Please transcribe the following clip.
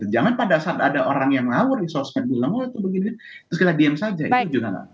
jangan pada saat ada orang yang ngawur di sosmed bilang oh itu begini terus kita diam saja itu juga